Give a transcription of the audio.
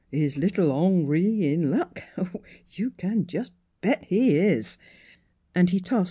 Is little Ong ree in luck? You can just bet he is! " And he tossed M.